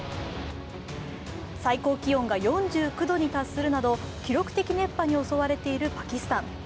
最高気温が４９度に達するなど記録的熱波に襲われているパキスタン。